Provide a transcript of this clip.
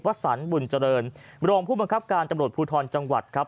สรรบุญเจริญรองผู้บังคับการตำรวจภูทรจังหวัดครับ